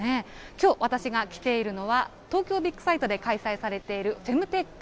きょう、私が来ているのは東京ビッグサイトで開催されているＦｅｍｔｅｃｈＴｏｋｙｏです。